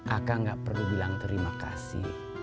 aka gak perlu bilang terima kasih